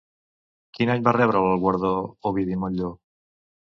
Quin any van rebre el guardó Ovidi Montllor?